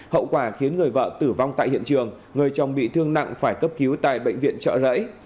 hậu quả khiến người vợ tử vong tại hiện trường người chồng bị thương nặng phải cấp cứu tại bệnh viện trợ rẫy